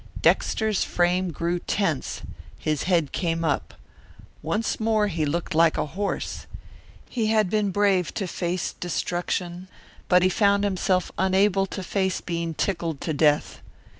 Dexter's frame grew tense, his head came up. Once more he looked like a horse. He had been brave to face destruction, but he found himself unable to face being tickled to death.